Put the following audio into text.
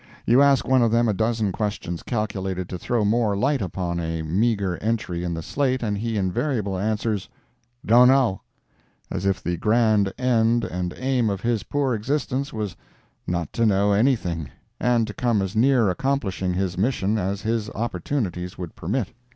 You ask one of them a dozen questions calculated to throw more light upon a meagre entry in the slate, and he invariably answers, "Don't know"—as if the grand end and aim of his poor existence was not to know anything, and to come as near accomplishing his mission as his opportunities would permit.